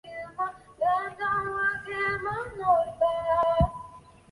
该镇的市政大楼和部分酒店有法国外籍兵团驻守。